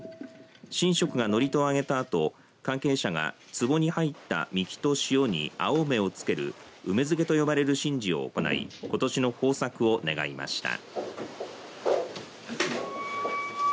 神職が祝詞をあげたあと関係者がつぼに入った神酒と塩に青梅を漬ける梅漬けと呼ばれる神事を行い、ことしの豊作を願いました。